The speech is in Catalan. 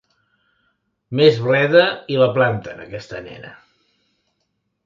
Més bleda i la planten, aquesta nena!